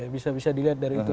bisa bisa dilihat dari itu